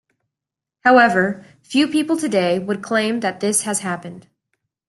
However, few people today would claim that this has happened.